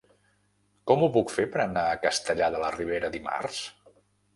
Com ho puc fer per anar a Castellar de la Ribera dimarts?